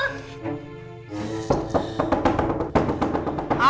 tepikan indra gak sendirian